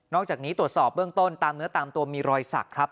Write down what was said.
อกจากนี้ตรวจสอบเบื้องต้นตามเนื้อตามตัวมีรอยสักครับ